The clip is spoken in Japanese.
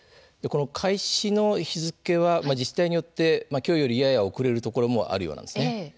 開始の日付は自治体によって今日よりやや遅れるところもあるようなんですね。